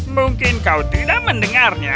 mungkin kau tidak mendengarnya